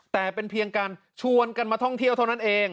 แต่เป็นเพียงการชวนกันมาท่องเที่ยวเท่านั้นเอง